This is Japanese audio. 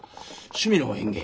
「趣味の園芸」。